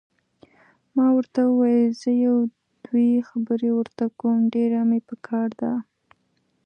ما ورته وویل: زه یو دوې خبرې ورته کوم، ډېره مې پکار ده.